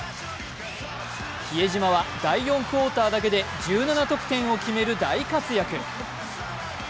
比江島は第４クオーターだけで１７得点を決める大活躍。